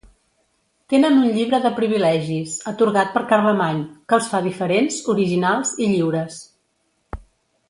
Tenen un Llibre de Privilegis, atorgat per Carlemany, que els fa diferents, originals i lliures.